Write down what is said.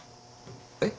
えっ？